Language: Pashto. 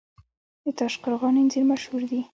د تاشقرغان انځر مشهور دي